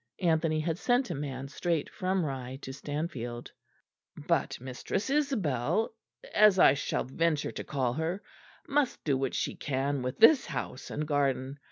(Anthony had sent a man straight from Rye to Stanfield.) "But Mistress Isabel, as I shall venture to call her, must do what she can with this house and garden.